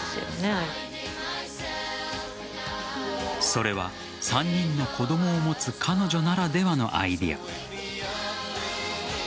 それは、３人の子供を持つ彼女ならではのアイデア。